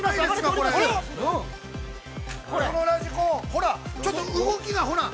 これ、ラジコン、ちょっと動きがほらっ。